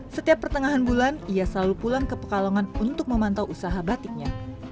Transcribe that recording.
setiap pertengahan bulan ia selalu pulang ke pekalongan untuk memantau usaha batiknya